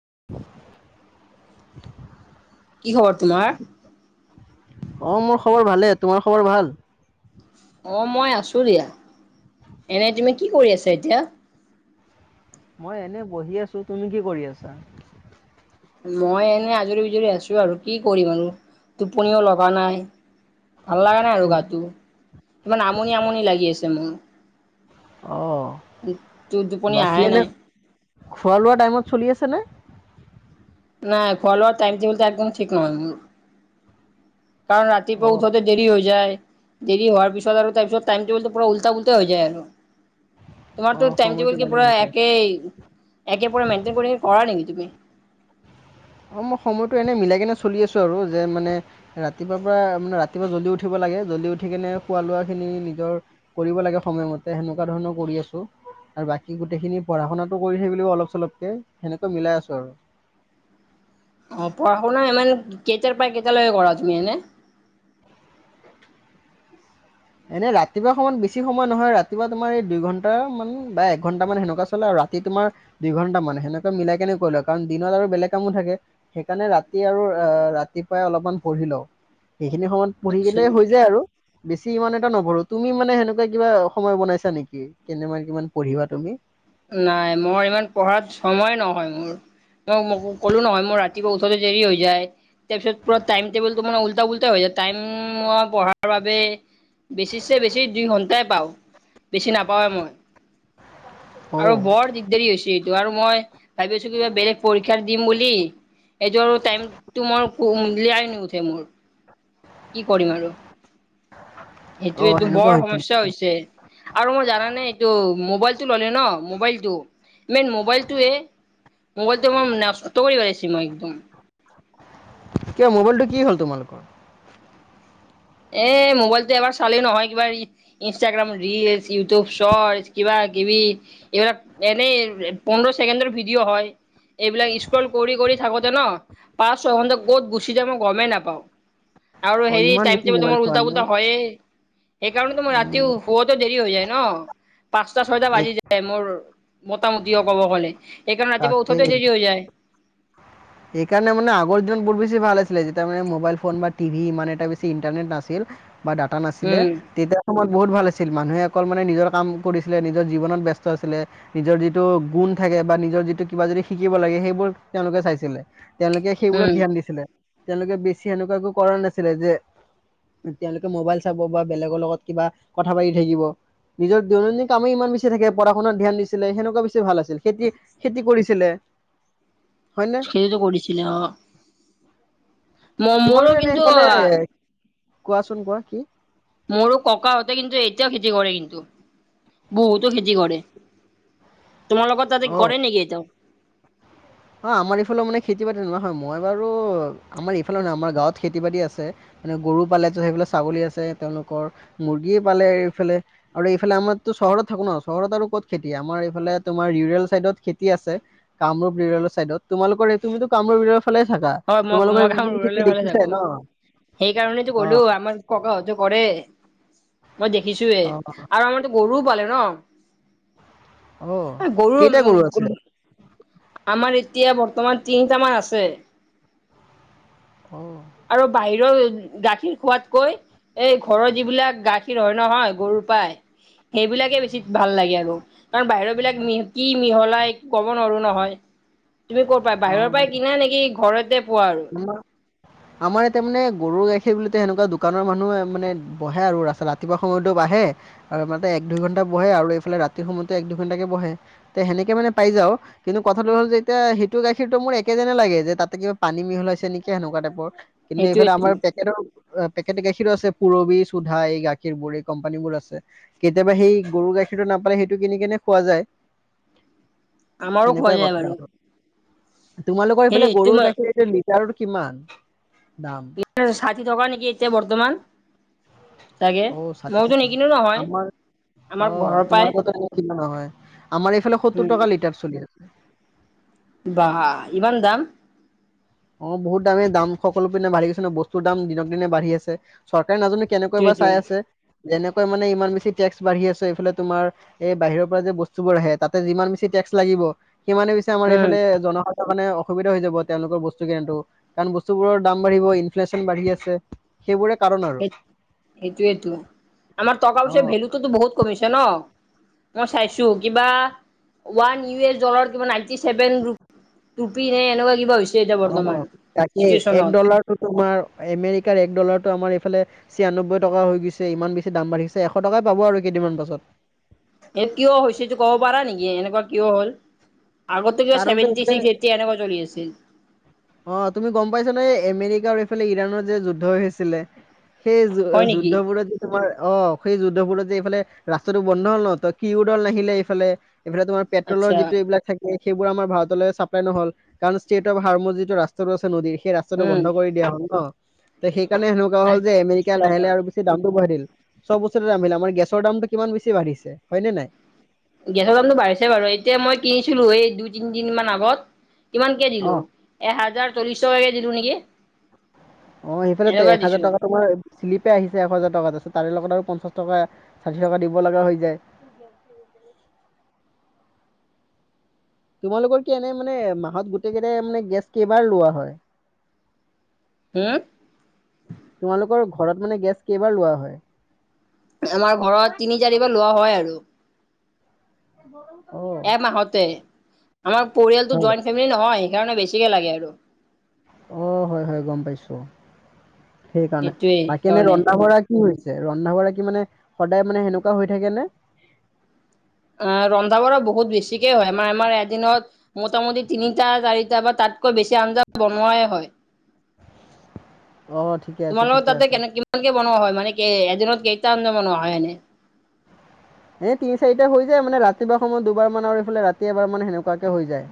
[inaudible] কি খবৰ তোমাৰ? অ মোৰ খবৰ ভালে, তোমাৰ খবৰ ভাল? অ মই আছো দিয়া, এনে তুমি কি কৰি আছা এতিয়া? মই এনে বহি আছো, তুমি কি কৰি আছা? মই এনেই আজৰি বিজৰি আছো আৰু কি কৰিম আৰু টোপনিও লগা নাই। ভাল লগা নাই আৰু গাটো ইমান আমনি আমনি লাগি আছে মোৰ। অহ তো টোপনি বাকী আহাই এনে নাই। খোৱা লোৱা টাইমত চলি আছেনে? নাই খোৱা লোৱা টাইম টেবুল একদম ঠিক নহয় মোৰ। কাৰণ ৰাতি পূৱা অ উঠোতে দেৰি হৈ যায়, দেৰি হোৱাৰ পিছত আৰু তাৰ পিছত টাইম টেবুলটো পুৰা উল্টা পুল্টা হৈ যায় আৰু। অ তোমাৰটো টাইম সময়টো টেবুল কি ভালে পুৰা গৈছে একেই একে পুৰা মেইন্টেইন কৰি কৰা নেকি তুমি? অ মই সময়টো এনে মিলাই কিনে চলি আছো আৰু যে মানে ৰাতিপুৱাৰ পৰা মানে ৰাতিপুৱা জলদি উঠিব লাগে জলদি উঠি কেনে খোৱা লোৱাখিনি নিজৰ কৰিব লাগে সময়মতে সেনেকুৱা ধৰণৰ কৰি আছো। আৰু বাকী গোটেইখিনি পঢ়া শুনাাটো কৰি থাকিব লাগিব অলপ চলপকে সেনেকে মিলাই আছো আৰু। আহ পঢ়া- শুনা ইমান কেইটাৰ পৰা কেইটালৈকে কৰা তুমি এনে? এনে ৰাতিপুৱা সময়ত বেছি সময় নহয় ৰাতিপুৱা তোমাৰ এই দুই ঘণ্টা মান বা একঘণ্টা মান সেনেকুৱা চলে আৰু ৰাতি তোমাৰ দুইঘন্টা মানে সেনেকে মিলাই কেনে কৰি লোৱা কাৰণ দিনত আৰু বেলেগ কামো থাকে সেইকাৰণে ৰাতি আৰু ৰাতিপুৱাই অলপমান পঢ়ি লওঁ সেইখিনি সময়ত পঢ়ি আচ্ছা কিনে হৈ যায় আৰু। বেছি ইমান এটা নপঢ়ো তুমি মানে সেনেকুৱা কিবা সময় বনাইছা নেকি কেনেবা কিমান পঢ়িবা তুমি নাই মই ইমান পঢ়াত সময় নহয় মোৰ। মই কলো নহয় মোৰ ৰাতিপুৱা উঠতে দেৰি হৈ যায়। তাৰ পিছত পুৰা টাইম টেবুলটো মানে ওল্টা পুল্টা হৈ যায় টাইম পঢ়াৰ বাবে বেছিছে বেছি দুই ঘন্টাই পাওঁ বেছি নাপাওৱে মই [unintelligible] আৰু বৰ দিগদাৰী হৈছে এইটো আৰু মই ভাবি আছো কিবা বেলেগ পৰীক্ষাৰ দিম বুলি এইযোৰ আৰু টাইম মই উলিয়াই নুঠে মোৰ। কি কৰিম আৰু অ সেইটোয়ে টো সেনেকুৱা বৰ হৈছিল সমস্যা হৈছে আৰু মই জানানে এইটো মোবাইল টো ললে ন মোবাইল টো মেইন মোবাইলটোৱে মোবাইলটোৱে মোৰ নষ্ট কৰি পেলাইছে মই একদম। কিয় মোবাইলটো কি হ'ল তোমালোকৰ? এ মোবাইলটো এবাৰ চালেই নহয় কিবা ইনষ্টাগ্ৰাম ৰিলচ ইউটিউব শৰ্ট কিবা এইবিলাক এনেই পোন্ধৰ ছেকেণ্ডৰ ভিডিঅ হয়। এইবিলাক স্ক্ৰল কৰি কৰি থাকোতে ন পাঁচ ছয়ঘণ্টা ক'ত গুচি যায় মই গমেই নাপাওঁ। আৰু অ হেৰি ইমান টাইম বেছি টেবুলটো মোবাইল মোৰ চোৱা উল্টা নে পুল্টা হয়ে সেইকাৰণে তো মই ৰাতি উম শুৱটো দেৰি হৈ যায় ন। পাঁচটা ছয়টা এক বাজি যায় মোৰ মোটামুটিও ক'ব গ'লে। সেইকাৰণে ৰাতিপোৱা উঠোতে দেৰি হৈ যায়। [unintelligible] এইকাৰণে মানে আগৰ দিনত বহুত বেছ ভাল আছিলে, যেতিয়া মানে মোবাইল ফোন বা টিভি ইমান এটা বেছি ইণ্টাৰনেট নাছিল। বা ডাটা নাছিলে উম তেতিয়া সময়ত বহুত ভাল আছিল। মানুহে অকল মানে নিজৰ কাম কৰিছিলে নিজৰ জীৱনত ব্যস্ত আছিলে, নিজৰ যিটো গুণ থাক- কে বা নিজৰ যিটো কিবা যদি শিকিব লাগে সেইবোৰ তেওঁলোকে চাইছিলে। তেওঁলোকে সেইবোৰত উম ধ্যান দিছিলে। তেওঁলোকে বেছি এনেকুৱা একো কৰা নাছিলে যে, তেওঁলোকে মোবাইল চাব বা বেলেগৰ লগত কিবা কথা পাতি থাকিব। নিজৰ দৈনন্দিন কামেই ইমান বেছি থাকে পঢ়া সুনাত ধ্যান দিছিলে। সেনেকুৱা বেছি ভাল আছিল, খেতি খেতি কৰিছিলে। হয়নে খেতিতো কৰিছিলে অ। ম মোৰো তোমালোকে এনেই কিন্তু সেইফালে কোৱাচোন কোৱা কি। মোৰো ককাহঁতে কিন্তু এতিয়াও খেতি কৰে কিন্তু। বহুতো খেতি কৰে। তোমাৰ লোকৰ তাতে অ', কৰে নেকি এতিয়াও? অ আমাৰ ইফালেও মানে খেতি বাতি নহোৱা হয়। মই বাৰু আমাৰ ইফালে নহয় আমাৰ গাঁৱত খেতি বাতি আছে। মান গৰু পালে সেইফিলে ছাগলী আছে, তেওঁলোকৰ মুৰ্গীয়ে পালে এইফালে আৰু এইফালে আমাৰতো চহৰত থাকো ন, চহৰত আৰু ক'ত খেতি, আমাৰ এইফালে তোমাৰ ৰুৰেল চাইডত খেতি আছে। কামৰূপ ৰুৰেল চাইডত। তোমালোকৰ এই তুমিতো কামৰূ বিলৰ ফালে থাকা, হয় মই মই তোমালোকৰ গাঁও ৰুৰেলৰ খেতি ফালে দেখিছাই থাকো। ন? সেইকাৰণেতো কলো অ', আমাৰ ককাহতে কৰে। মই দেখিছোয়ে অ', আৰু আমাৰতো গৰুও পালে ন। অ', গৰু কেইটা আছে? আমাৰ এতিয়া বৰ্তমান তিনিটামান আছে। অ', আৰু বাহিৰৰ গাখীৰ খোৱাতকৈ এই ঘৰৰ যিবিলাক গাখীৰ হয় নহয় গৰু পাই সেইবিলাকে বেছি ভাল লাগে আৰু। কাৰণ বাহিৰৰ বিলাক মিহ কি মিহলাই ক'ব নোৱাৰো নহয়। তুমি ক'ত পাই বাহিৰৰ পৰাই কিনা নেকি ঘৰতে পোৱা? আৰু উ [unintelligible] আমাৰ এতিয়া মানে গৰু গাখীৰ বুলিতে সেনেকুৱা দোকানৰ মানুহে মানে বহে আৰু, ৰাস্তা ৰাতিপুৱা সময়তো বহে আৰু এক দুই ঘন্টা বহে আৰু এইফালে ৰাতি সময়তে এক দুই ঘন্টাকে বহে, তে সেনেকে মানে পাই যায়। যাও কিন্তু কথাটো হ'ল যে এতিয়া সেইটো গাখীৰতটো মোৰ একে যেনে লাগে। যে তাতে কিবা পানী মিহলাইছে নেকি সেনেকুৱা টাইপৰ। কিন্তু এইফালে সেইটোৱেটো আমাৰ পেকেটৰ অ পেকেট গাখীৰো আছে পুৰবি, চোধা, এই গাখীৰবোৰ এই কোম্পানী বোৰ আছে। কেতিয়াবা সেই গৰু গাখীৰটো নাপালে সেইটো কিনি কেনে খোৱা যায়। আমাৰো খোৱা সেনেকুৱাই যায় কথা বাৰু। আৰু তোমালোকৰ হেৰি এইফালে গৰুৰ গাখীৰ এইটো লিটাৰটো কিমান? দাম ষাঠী টকা নেকি এতিয়া বৰ্তমান। চাগে অ ষাঠি মইতো টকা নিকিনো নহয় আমাৰ আমাৰ অ ঘৰৰ পৰাই তোমালোকৰনো কিমান হয়। আমাৰ এইফালে সত্তৰ উম টকা লিটাৰ চলি আছে। বা ইমান দাম। অ বহুত দামেই দাম সকলো পিনে বাঢ়ি গৈছে ন বস্তুৰ দাম দিনক দিনে বাঢ়ি আছে। চৰ কাৰে নাজানো কেনেকৈ বা সেইটোৱেটো চাই আছে। যেনেকৈ মানে ইমান বেছি টেক্স বাঢ়ি আছে, এইফালে তোমাৰ এই বাহিৰৰ পৰা যে বস্তু বোৰ আহে তাতে যিমান বেছি টেক্স লাগিব সিমানে পিছে আমাৰ উম এইফালে জনসাধাৰণ মানে অসুবিধা হৈ যাব তেওঁলোকৰ বস্তু কাৰণ বস্তুবোৰৰ দাম বাঢ়িব, ইনফ্লেচন বাঢ়ি আছে। সেইবোৰে কাৰণ আৰু সেইটোৱেটো আমাৰ টকা পইচাৰ অ'। ভেলুটোতো বহুত কমিছে ন? মই চাইছো কিবা ওৱান ইউ এছ ডলাৰ কিবা নাইনটি ছেভেন ৰু পি নে এনেকোৱা কিবা হৈছে এতিয়া অ বৰ্তমান তাকেই এক চিটুৱেশ্যনত ডলাৰটো তোমাৰ আমেৰিকাৰ এক ডলাৰটো আমাৰ এইফালে ছিয়াননব্বৈ টকা হৈ গৈছে ইমান বেছি দাম বাঢ়িছে এশ টকাই পাব আৰু কেইদিনমান পাছত এ কিয় হৈছেটো কব পাৰা নেকি এনেকোৱা কিয় হ'ল আগতে কিবা কাৰণটো ছেভেনটি এইফালে চিক্স এইটটি এনেকোৱা চলি আছিল অ তুমি গম পাইছা নে এই আমেৰিকা আৰু এইফালে ইৰাণত যে যুদ্ধ হৈছিলে সেই হয় যুদ্ধ নেকি? বোৰত যে তোমাৰ অ সেই যুদ্ধবোৰত যে এইফালে ৰাস্তাটো বন্ধ হল ন ত কিউ দল নাহিলে এইফালে এইফালে তোমাৰ পেট্ৰ'লৰ আচ্ছা যিটো এইবিলাক থা কিলে সেইবোৰ আমাৰ ভাৰতলৈ চাপ্লাই নহল কাৰণ ষ্টেট অফ হাৰৰ যিটো ৰাস্তাটো আছে নদী ই ৰাস্তাটো উম বন্ধ কৰি দিয়া হ'ল ন ত সেই কাৰণে সেনেকোৱা হ'ল যে এমেৰিকা আচ্ছা লাহ লাহে আৰু বেছি দামটো বঢ়াই দিল চব বস্তুৰে দাম আহিলে আমাৰ গেছৰ দামটো কিমান বেছি বাঢ়িছে হয় নে নাই গেছৰ দামটো বাঢ়িছে বাৰু এতিয়া মই কিনিছিলো এই দুই তিনিদিন মান আগত কিমানকে অ দিলো এহাজাৰ চল্লিশ টকাকে দিলো নেকি অ সেইফালে ত এনেকুৱা একহাজাৰ দিছো টকা তোমাৰ শ্লিপে আহিছে একহাজাৰ টকাত দেছোন তাৰে লগত আৰু পঞ্চাছ টকা ষাঠি টকা দিব লগা হৈ যায় [inaudible] তোমালোকৰ কি এনে মানে মাহত গোটেই কেইটাই মানে গেছ কেইবাৰ লোৱা হয় হম তোমালোকৰ ঘৰত মানে গেছ কেইবাৰ লোৱা হয় আমাৰ ঘৰত তিনি চাৰিবাৰ লোৱা হয় আৰু [unintelligible] এমাহতে আমাৰ পৰিয়ালটো হয়। জইণ্ট ফেমিলি নহয় সেইকাৰণে বেছিকে লাগে আৰু অ হয় হয় গম পাইছো সেইকাৰণে সেইটোৱে বাকী এনে সেইকাৰণে ৰন্ধা বঢ়া কি হৈছে ৰন্ধা বৰা কি মানে সদায় মানে সেনেকোৱা হৈ থাকে নে অ ৰন্ধা বঢ়া বহুত বেছিকে হয় আমাৰ আমাৰ এদিনত মোটামুটি তিনিটা চাৰি টা বা তাতকৈ বেছি আঞ্জা বনোৱাই হয় অ', ঠিকে আছে, তোমালোকৰ ঠিকে তাতে আছে। কেনে কিমান ক বনোৱা হয় মানে এদিনত কেইটা আঞ্জা বনোৱা হয় এনে এ তিনি চাৰিটা হৈ যায় মানে ৰাতিপুৱা সময়ত দুবাৰ মান আৰু এইফালে ৰাতি এবাৰ মান সেনেকোৱাকে হৈ যায়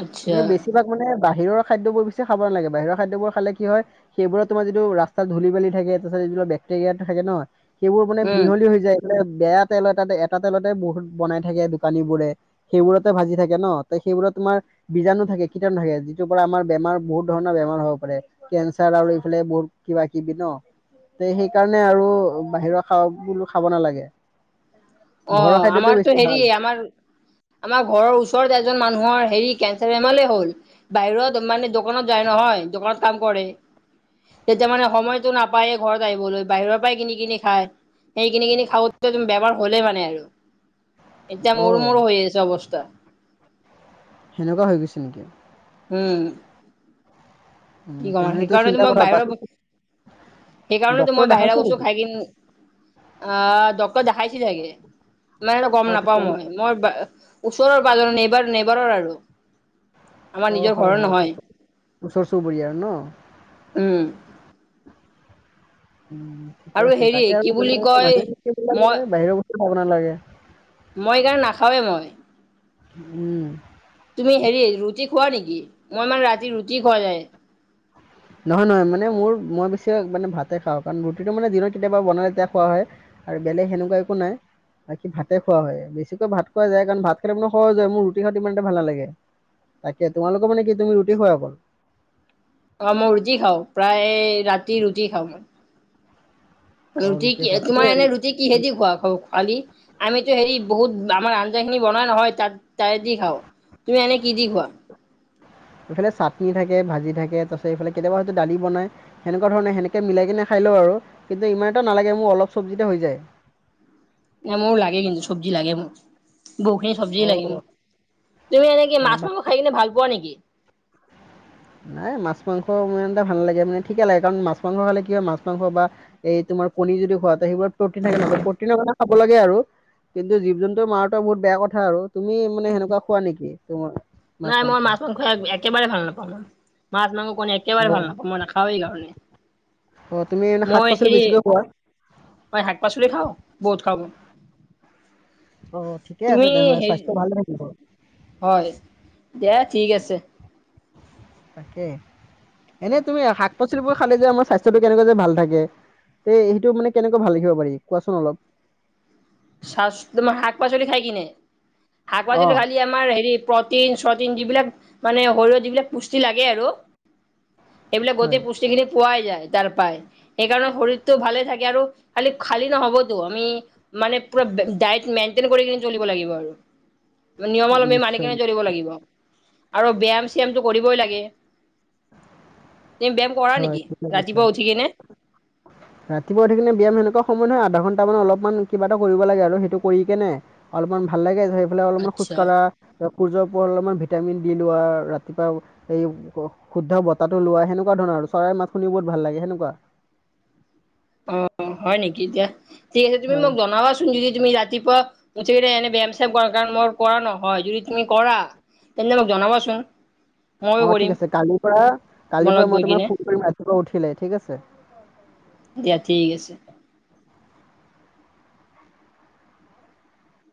আচ্ছা কিন্তু বেছিভাগ মানে বাহিৰৰ খাদ্যবোৰ পিছে খাব নালাগে বাহিৰৰ খাদ্যবোৰ খালে কি হয় সেইবোৰত তোমাৰ যিটো ৰাস্তাত ধূলি বালি থাকে তাৰপাছত যিবিলাক বেক্টেৰিয়াটো থাকে ন সেইবোৰ মানে উম মিহলি হৈ যায় মানে বেয়া তেল এটা এটা তেলতে বহুত বনাই থাকে দোকানী বোৰে সেইবোৰতে ভাজি থাকে ন তে সেইবোৰত তোমাৰ বীজাণু থাকে কীটাণু থাকে যিটো পৰা আমাৰ বেমাৰ বহুত ধৰণৰ বেমাৰ হ'ব পাৰে কেঞ্চাৰ আৰু এইফালে বহুত কিবা কিবি ন তে সেইকাৰণে আৰু বাহিৰৰ খোৱাবোৰ খাব নালাগে অ ঘৰৰ খাদ্যটোৱে আমাৰতো বেছি হেৰি ভাল আমাৰ আমাৰ ঘৰৰ ওচৰত এজন মানুহৰ হেৰি কেঞ্চাৰ বেমাৰলে হ'ল বাহিৰত মানে দোকানত যায় নহয় দোকানত কাম কৰে। তেতিয়া মানে সময়তটো নাপায়েই ঘৰত আহিবলৈ বাহিৰৰ পৰাই কিনি কিনি খায়। সেই কিনি কিনি খাওঁ তুম বেমাৰ হ'লেই মানে আৰু এতিয়া অ মোৰো মূোৰো হৈ আছে অৱস্থা সেনেকুৱা হৈ গৈছে নেকি হম উম কি কম তেনেহলেতো সেইকাৰণ চিন্তা মই কৰা বাহিৰৰ সেইকাৰণেতো ডক্তৰ মই বাহিৰা দেখাইছে নেকি [unintelligible] খাই কিন। আহ ডক্তৰ দেখাইছিলগে নাই গম অ নাপাও তেতিয়া মই মানে মই ওচৰৰ প নেবাৰ নেবাৰৰ আৰু আমাৰ অ নিজৰ হয় ঘৰৰ হয় নহয় ওচৰ চুবুৰীয়া। ন উম উ ঠিকে আৰু আছে হেৰি তাকে কি আৰু বুলি কয় মই মানুহোগে বাহিৰৰ বস্তু খাব নালাগে মই এই কাৰণে নাখাওঁৱেই মই। উম। তুমি হেৰি ৰুটি খোৱা নেকি? মই মানে ৰাতি ৰুটি খুৱোৱা নাই। নহয়, নহয় মানে মোৰ মই বেছি মানে ভাতে খাওঁ। কাৰণ, ৰুটিটো মানে দিনত কেতিয়াবা বনালে তেতিয়া খোৱা হয়। আৰু বেলেগ সেনেকুৱা একো নাই। বাকী ভাতে খোৱা হয়। বেছিকৈ ভাত খোৱা যায় কাৰণ, ভাত খালে মানোৰ সহজ হয় মোৰ ৰুটি খাওঁ ইমানটা ভাল লাগে। তাকে তোমালোকৰ মানে কি তুমি ৰুটি খোৱা অকল। অ, মই ৰুটি খাওঁ প্ৰায় ৰাতি ৰুটি খাওঁ মই। অ ৰুটি কি খোৱা তোমাৰ এনে ৰুটি কিহেদি খোৱা খোৱালি আমিতো হেৰি বহুত আমাৰ আন খিনি বনাই নহয় তাত তাৰে দি খাও। তুমি এনে কি দি খোৱা? [unintelligible] এইফালে চাটনি থাকে ভাজি থাকে তপিছত এইফালে কেতিয়াবা হয়ত দালিনাই সেনেকুৱা ধৰণেনেকে মিলাইনে খাই লওঁ। কিন্তু, ইমান এটা নালাগে মোৰ অলপ চব্জিতে হৈ যায়। ন, মোৰ লাগে কিন্তু চব্জি লাগে মোৰ। বহুখিনি চব্জি অ', লাগিবোৰ তুমি এনেকে অ', মাছ বা মাংস খাই কিনে ভাল পোৱা নেকি? নাই মাছ মাংসে এটা ভাল লাগে। মানে ঠিকে লাগে কাৰণ মাছ মাংস খালে কি হয়, মাছ মাংস বা এই আমাৰ কণ যদি খোৱা সেইবোৰত প্ৰটিন থাকে নহ প্ৰটিনৰ কাৰণে খাব লাগে আৰু। কিন্তু, জীৱ-জন্তু মাৰো বহুত বেয়া কথা আৰু। তুমি মানে সেনেকুৱা খোৱা নেকি তোমাৰ? মাছ নাই মাংস? মই মাছ-মাংস একেবাৰে ভাল নাপাওঁ। মাছ- মাংস মনে একেবাৰে ভাল অ', নাপাওঁ মান নাখাওঁই গাহৰি। অ', তুমি মানে শাক মই পাচলি হেৰি বেছিকৈ খোৱা? মই শাক-পাচলি খাওঁ বহুত খাওঁ মই। অ, ঠিকে আছে তুমি তেনেহলে হেৰি স্বাস্থ্য ভালে থাকিব। হয়, দে ঠিক আছে। তাকে এনেই তুমি শাক-পাচলিবোৰ খালে যে আমাৰ স্বাস্থ্যতো কেনেকুৱা যে ভাল থাকে। তে সেইটো মানে কেনেকুৱা ভাল লখিব পাৰি, কোৱাচোন অলপ? চ তোমাৰ শাক-পাচলি খাই কিনে শাক-পাচলি অ', খালি আমাৰ হেৰি প্ৰটিন-চটিন যিবিলাক মানে শৰীৰত যিবিলাক পুষ্টি লাগে আৰু এইবিলাক গতি হয় পুষ্টিখিনি পোৱাই যায়। তাৰ পাই সেইকাৰণে শৰীৰতটো ভালে থাকে, আৰু খালি খালী নহবতো আমি মানে পুৰা দাইট মেইনটেইন কৰি চলিব লাগিব আৰু। নিয়মাৱমী মানি নিশ্চয় কিনে চলিব লাগিব। আৰু ব্যায়াম চয়ামতটো কৰিবই লাগে। তুমি ব্যায়াম কৰা হয় নেকি ৰাতিপুৱা উঠি কিনে ৰাতিপুৱা উথিকনে ব্যয়ায়াম সেনেকুৱা সময় নহয় আধা ঘন্টা মান অলপমান কিবা এটা কৰিব লাগে আৰু সেইটো কৰি কে নাই অলপমান ভাল লাগে। ফালে অলপমান খোজ আচ্ছা কঢ়া সূৰ্যৰ পোহৰত অলপমান ভিটামিন দি লোৱা। ৰাতিপুৱা এই শুদ্ধ বতাহটো লোৱা সেনেকা তেনেকুৱা ধৰণৰ আৰু চৰাইৰ মাত শুনিও বহুত ভাল লাগে সেনেকুৱা। অ', হয় নেকি এতিয়া? ঠিক আছে। তুমি হয় মোক জনাবাচোন যদি তুমি ৰাতিপুৱা মুঠেই এনে ব্যায়াম চাম কৰা কাৰণ মই কৰা নহয়। যদি তুমি কৰা তেন্তে মোক জনাবাচোন? ময়ো অ', ঠিক কৰিম আছে কালিৰ পৰা তোমাৰ কালিৰ পৰা লগত মই গৈ তোমাক কিনে ফোন কৰিম ৰাতিপুৱা উঠিলে, ঠিক আছে। দিয়া ঠিক আছে।